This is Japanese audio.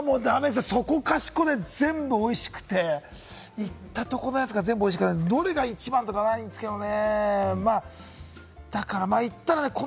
そこかしこで全部おいしくて、行ったところのやつが全部おいしいから、どれが一番とかないんですけれども。